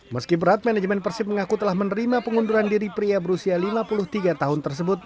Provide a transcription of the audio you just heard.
meski berat manajemen persib mengaku telah menerima pengunduran diri pria berusia lima puluh tiga tahun tersebut